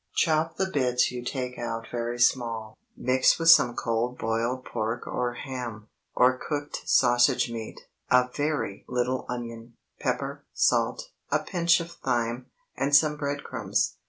Chop the bits you take out very small; mix with some cold boiled pork or ham, or cooked sausage meat, a very little onion, pepper, salt, a pinch of thyme, and some bread crumbs.